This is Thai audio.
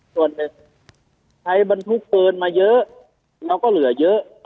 ส่วนเป็นใช้บรรทุกเกินมาเยอะแล้วก็เหลือเยอะ